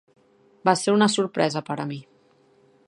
Va ser una sorpresa per a mi.